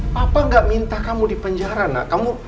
papa gak minta kamu di penjara nak